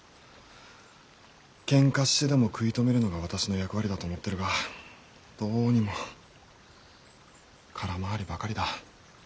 ケンカしてでも食い止めるのが私の役割だと思ってるがどうにも空回りばかりだ。